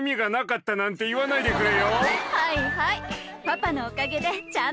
はいはい。